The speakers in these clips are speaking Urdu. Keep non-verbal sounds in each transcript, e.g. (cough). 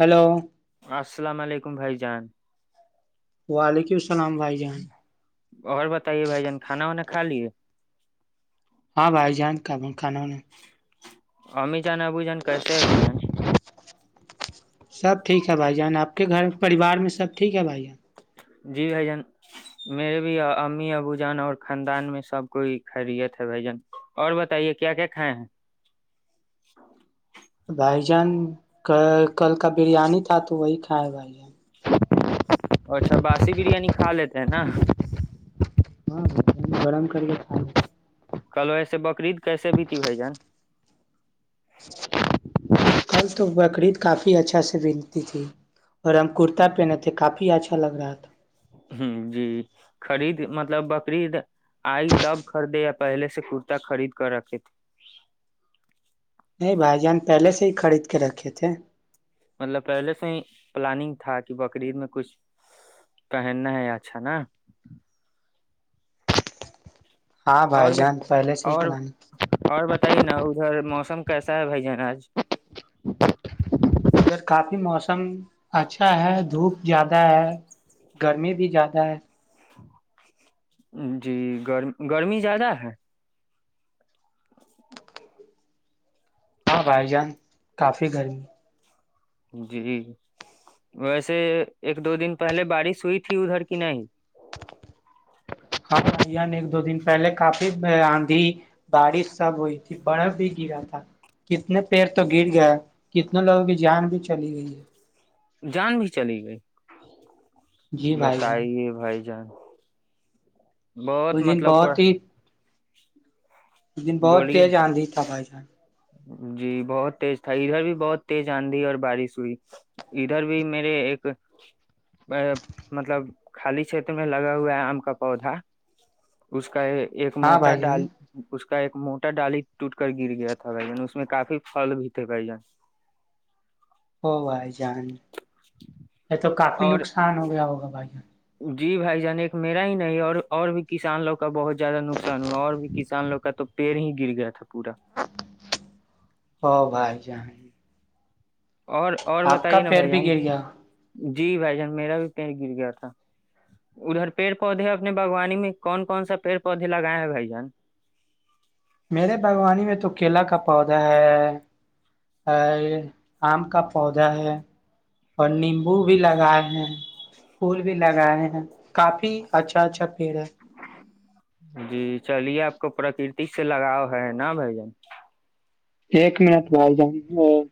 ہیلو السلام علیکم بھائی جان وعلیکم السلام بھائی جان اور بتائیے بھائی جان کھانا وانا کھا لیے ہاں بھائی جان کا کھانا نے (inaudible) جان ا بو جن کیسے ہے بجن سب ٹھیک ہے بھائی جان آپ کے گھر پریوار میں سب ٹھیک ہے بھائی جان جی بھ جان میرے بھی امی ابو جان اور خاندان میں سب کوئی خیریت ہے بھ جان اور بتائیے کیا کیا کھائے ہیں بھائی جان کل کا بریانی تھا تو وہی کھا ہے بھائی جان اچھا باسی بریانی کھا لیتے ہیں نا ہاں ب گرم کر کے خ کلو ایسے بقرریید کیسے بھی تھی بھائی جان کل تو بکرریید کافی اچھا سے بنتی تھی اور ہم کرتا پہنے تھے کافی اچھا لگ رہا تھا ہ جی خرید مطلب بکری آئی تب خریدے پہلے سے کررتا خرید کر رکھے تھے نہیں بھائی جان پہلے سے ہی خرید کے رکھے تھے مطلب پہلے سے ہی پلاننگ تھا کہ بقرید میں کچھ پہننا ہے یا اچھا نا ہاں اور بھائی جان پہلے سے ہی اور پلانی اور بتائیے نا ادھر موسم کیسا ہے بھائی جان آج ادھر کافی موسم اچھا ہے دھوپ زیادہ ہے گرمی بھی زیادہ ہے جی گر گرمی زیادہ ہے (inaudible) ہاں بھائی جان کافی گرمی جی ویسے ایک دو دن پہلے بارش ہوئی تھی ادھر کہ نہیں ہاں اان ایک دو دن پہلے کافی آندھی بارش سب ہوئی تھی برف بھی گرا تھا کتنے پیر تو گر گیا کتنے لوگوں کی جان بھی چلی گئی ہے جان بھی چلی گئی جی بھائی جان بتائیے بھائی جان بہت اس دن مطلب پا بہت ہی اس (inaudible) دن بہت تیز آندی تھاپائی ہاں جی بہت تیز تھا ادھر بھی بہت تیز آندھی اور بارش ہوئی ادھر بھی میرے ایک مطلب خالی چھیتر میں لگا ہوا ہے آم کا پودا اس کا یہ ایک ہاں موٹا بھائی جان ڈال اس کو کا ایک موٹا ڈالی ٹوٹ کر گر گیا تھا تھا ب اس میں کافی فھل بھی تھے ب جن ہوئے جان یہ تو کافی اور نقصان ہو گیا ہوگا بھائی جی بھائی جان ایک میرا ہی نہیں اور اور بھی کسان لوگ کا بہت زیادہ نقصان ہوا اور بھی کسان لوگ کا تو پیڑ ہی گر گیا تھا پورا ہ بھائی جیں اور اور کا بتائیے نا پیڑ بھائی بھی جان گر گیا جی بھائی جان میرا بھی پیڑ گر گیا تھا ادھر پیڑ پودے اپنے باوانی میں کون کون سا پیڑ پودے لگائے ہیں بھائی جان میرے باغوانی میں تو کیلا کا پودا ہے ا آم کا پودا ہے اور نیمبو بھی لگائے ہیں پھول بھی لگائے ہیں کافی اچھا اچھا پیڑ ہے جی چلیے آپ کو پراکرتک سے لگاؤ ہے نا بھ جن ایک منٹ بج جؤں گ اور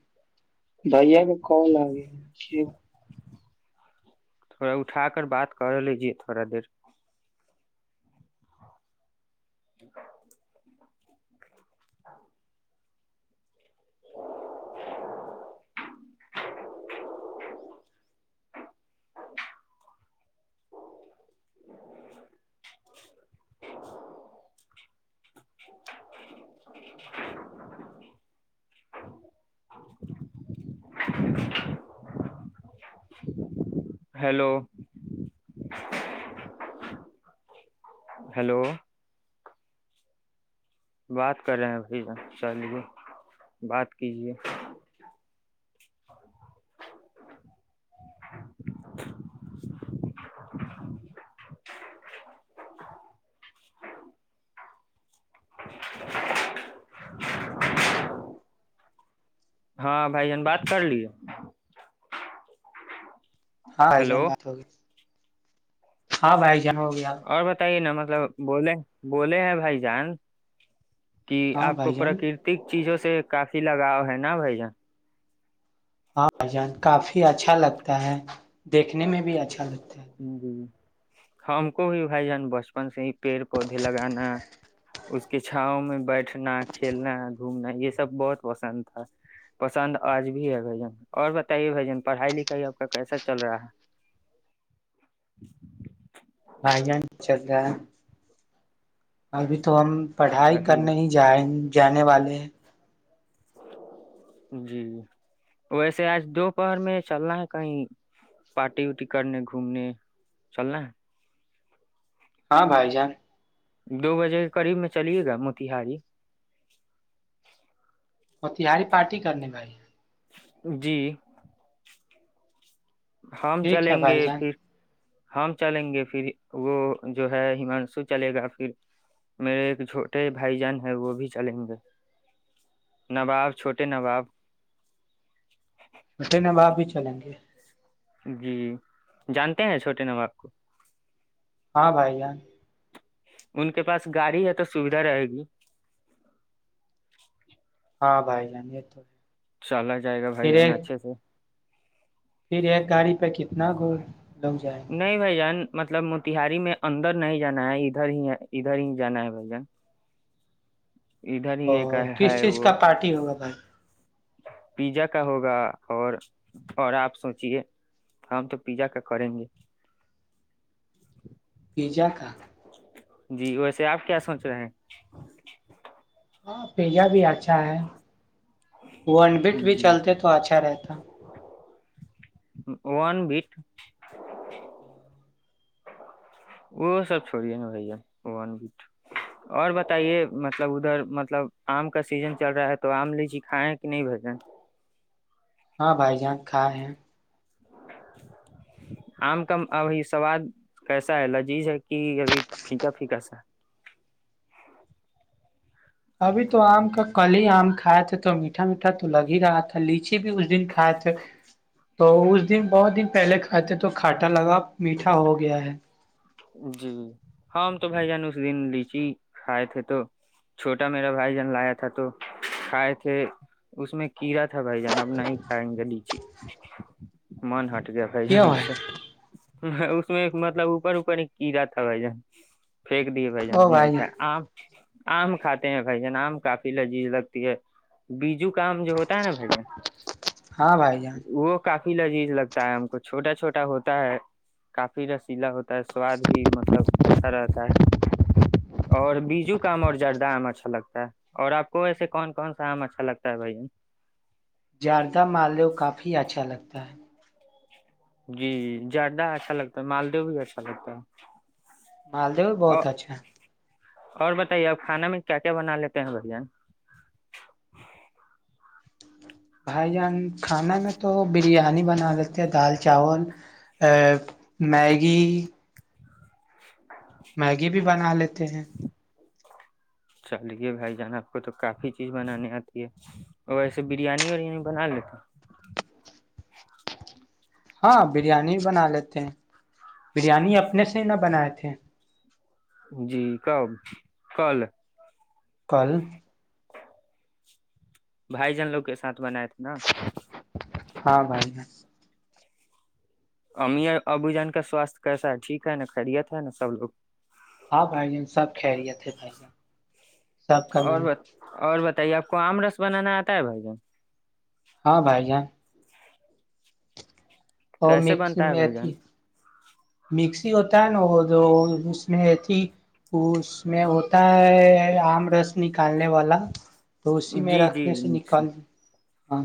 بھھیا کا کال آ گیا تھوڑا اٹھا کر بات کر لیجے تھوڑا دیر ٹ (inaudible) (inaudible) (inaudible) (inaudible) ہیلو ہیلو بات کر رہے ہیں بھیا چلیے بات کیجے (inaudible) (inaudible) (inaudible) ہاں بھائی جان بات کر لیے ہاں جان ہیلو بات ہوگی ہاں بھائی جان ہو گیا اور بتائیے نمک مطلب بولے بولے ہیں بھائی جان کہ ہاں آپ کو بھائی جان پراکرتک چیزوں سے کافی لگاؤ ہے نا بھائی جان ہاں بھائی جان کافی اچھا لگتا ہے دیکھنے میں بھی اچھا لگتا ہے (inaudible) ہم کو بھی بھائی جان بچپن سے ہی پیڑ پودے لگانا اس کے چھاؤ میں بیٹھنا کھیلنا گھومنا یہ سب بہت پسند تھا پسند آج بھی ہے بھائی جان اور بتائیے بھ جان پڑھائی لکھائی آپ کا کیسا چل رہا ہے (inaudible) بھائی جان چل رہا ہے ابھی تو ہم پڑھائی چلیے کرنے ہی جائیں جانے والے ہیں جی ویسے آج دوپہر میں چل رہا ہے کہیں پارٹی وٹی کرنے گھومنے چل رہا ہے ہاں بھائی جان دو بجے کے قریب میں چلیے گا موتیہاری اور تہاری پارٹی کرنے بھائی جی ہم ٹھیک ہے چلیں گے بھائی جان پھر ہم چلیں گے پھر وہ جو ہے ہممانشو چلے گا پھر میرے ایک چھوٹے بھائی جان ہیں وہ بھی چلیں گے نواب چھوٹے نواب اٹ نب آپ ہی چلیں گے جی جانتے ہیں چھوٹے نام آپ کو ہاں بھائی ان کے پاس گاڑی تو سوھا رہے گی ہاں بھائی جانے تو ہے چلا آ جائے گا بھائی پھر ہے نا ایک اچھے سے پھر ایک گاڑی پہ کتنا گڑ لگ جائے گے نہیں بھائی جان مطلب موتہاری میں اندر نہیں جانا ہے ادھر ہی ادھر ہی جانا ہے بھ جن ا کس ہے چیز وہ کا پارٹی ہوگا تھا پیزا کا ہوگا اور اور آپ سوچیے ہم تو پیزا کا کریں گے (inaudible) جی ویسے آپ کیا سوچ رہے ہیں ہاں پجا بھی اچھا ہے ونبٹ ہیں بھی جی چلتے تو اچھا رہتا ون بیٹ وہ سب چھوڑیے نا ون بٹ اور بتائیے مطلب ادھر مطلب آم کا سیزن چل رہا ہے تو آم لیجی کھائےیں کہ نہیں بجن ہاں بھائی جہاں کھا ہے آم کا ابھی سواد کیسا ہے لذیذ ہے کہ ابھی پھیکا پھیکا سا ابھی تو آم کا کل ہی آم کھائے تھے تو میٹھا میٹھا تو لگ ہی رہا تھا لیچی بھی اس دن کھائے تھے تو اس دن بہت دن پہلے کھاتائے تھے تو کھاٹا لگا میٹھا ہو گیا ہے جی ہم تو بھائی جان اس دن لیچی کھائے تھے تو چھوٹا میرا بھائی جان لایا تھا تو کھائے تھے اس میں کیڑا تھا بھائی جان اب نہیں کھائیں گے لیچی من ہٹ گیا بھ کیوں ہے سے اس میں مطلب اوپر کیرا تھا بھائی جان پھینک دیے بھ او جان نہیں بھائی کا آم آم کھاتے ہیں بھائی جان آم کافی لذیذ لگتی ہے بیجو کام جو ہوتا ہے نا بھ ہاں بھائی جان وہ کافی فی لذیذ لگتا ہے ہم کو چھوٹا چھوٹا ہوتا ہے کافی رسیلا ہوتا سواد بھی مطلب اچھا رہتا ہے اور بیجو کا آم اور جردہ آم اچھا لگتا ہے اور آپ کو ویسے کون کون سا آم اچھا لگتا ہے بھائی جاردہ مال لو کافی اچھا لگتا ہے جی جردہ اچھا لگتا ہے مالدو بھی اچھا لگتا ہے مالدیو بھی بہت اور اچھا ہے اور بتائیے اب کھانا میں کیا کیا بنا لیتے ہیں بڑ بھائی جان کھانا میں تو بریانی بنا لیتے ہیں دال چاول ا میگی میگی بھی بنا لیتے ہیں چلیے بھائی جان آپ کو تو کافی چیز بنانانی آتی ہے اور ویسے بریانی وریانی بنا لیتے ہاں بریانی بنا لیتے ہیں بریانی اپنے سے نہ بنائے تھے جی کب کل کل بھائی جان لوگ کے ساتھ بنت نا ہاں بھائی ب ام ابو جان کا سواستھ کیسا ہے ٹھیک ہے نا خیریت ہے نا سب لوگ ہاں بھائی جان سب کہہریے تھے بھائی سب کم اور بت... اور آپ کو آم رس بنانا آتا ہے بھائی ج ہاں بھائی جان اور کیسے مکس بنتا ہے میں بھائی تھی جان مکسی ہوتا ہے نا وہ جو اس میںتی اس میں ہوتا ہے آم رس نکالنے والا تو اسی میں جی جی رکھنے سے مکسی نکال د ہاں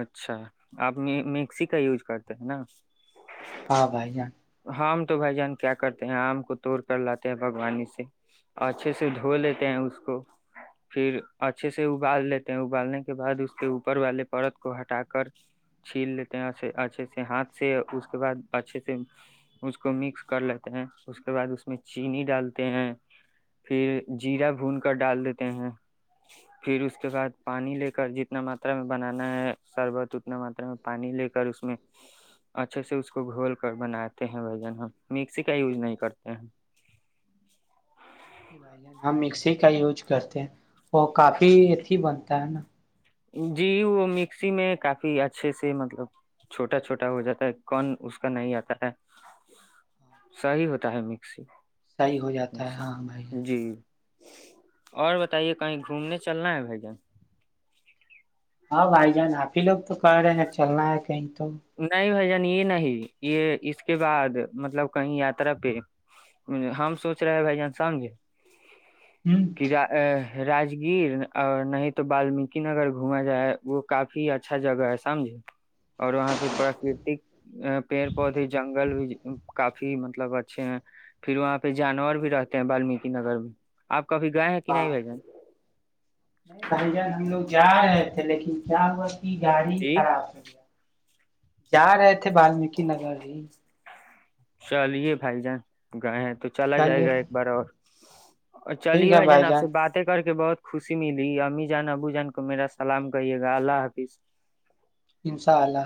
اچھا آپ مکسی کا یوز کرتے ہیں نا ہاں بھائی جان ہم تو بھائی جان کیا کرتے ہیں آم کو توڑ کر لاتے ہیں بگوانی سے اچھے سے دھو لیتے ہیں اس کو پھر اچھے سے ابال لیتے ہیں ابالنے کے ب اس کے اوپر والے پرت کو ہٹا کر چھیل لیتے ہیں اچھے سے ہاتھ سے اس کے بعد اچھے سے اس کو مکس کر لیتے ہیں اس کے بعد اس میں چینی ڈالتے ہیں پھر جیرا بھون کر ڈال دیتے ہیں پھر اس کے بعد پانی لے جتنا ماترا میں بنانا ہے شربت اتنا ماتا میں پانی لے کر اس میں اچھے سے اس کو گھول کر بناتے ہیں بھن ہم مکسی کا یوز نہیں کرتے ہیں بھائی ج ہم مکسی کا یوز کرتے ہیں وہ کافی ا ہی بنتا ہے نا جی وہ مکسی میں کافی اچھے سے مطلب چھوٹا چھوٹا ہو جاتا ہے کون اس کا نہیں آتا ہے صیح ہوتا ہے مکسی صحیح ہو جاتا ہے سے ہاں بھائی ہے جی اور بتائیے کہیں گھومنے چلنا ہے بھائی ج ہاں بھائی جان آپ ہی لوگ تو کہ رہے ہیں نا چلنا ہے کہیں تو نہیں بائی جان یہ نہیں یہ اس کے بعد مطلب کہیں یاترا پہ ہم سوچ رہے بھائی جان سمجھ ک ہ کیا ا راجگیر اور نہیں تو بالمیک نگر گھوما جائے وہ کافی اچھا جگہ ہے سمجھے اور وہاں پہ پراکرتک ا پیڑ پودے جنگل بھی کافی مطلب اچھے ہیں پھر وہاں پہ جانور بھی رہتے ہیں بالمیک نگر میں آپ کبھی گئے ہیں کہ ہاں نہیں بھائی جان نہیں بھائی جان ہم لوگ ج ہے تھے لیکن کیا ہوا کی گاڑی جی خراب ہو گیا جا رہے تھے والمیک نگر ہی چلیے بھائی جان گئے تو چلا جائے چلیے گا ایک بار اور اور ٹھیک چلیے ہے بھائی جنا آپ جان سے باتیں کر کے کہ بہت خوشی ملی امی جان ابو جان کو میرا سلام کہیے گا اللہ حافظ انشاءاللہ